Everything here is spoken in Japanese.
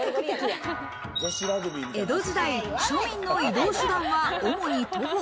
江戸時代、庶民の移動手段は主に徒歩。